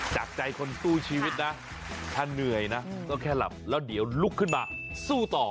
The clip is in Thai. จากใจคนสู้ชีวิตนะถ้าเหนื่อยนะก็แค่หลับแล้วเดี๋ยวลุกขึ้นมาสู้ต่อ